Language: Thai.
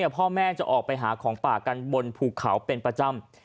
พ่อแม่จะออกไปหาของป่ากันบนภูเขาเป็นประจำ